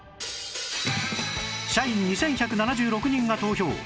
社員２１７６人が投票！